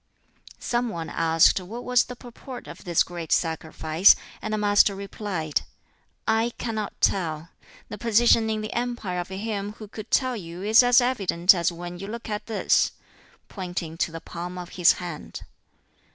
Some one asked what was the purport of this great sacrifice, and the Master replied, "I cannot tell. The position in the empire of him who could tell you is as evident as when you look at this" pointing to the palm of his hand.